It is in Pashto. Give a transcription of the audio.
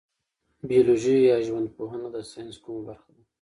بیولوژي یا ژوند پوهنه د ساینس کومه برخه ده